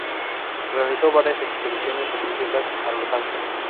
Realizó varias expediciones científicas a los Andes.